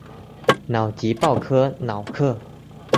瑙吉鲍科瑙克。